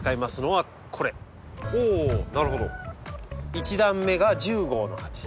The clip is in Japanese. １段目が１０号の鉢。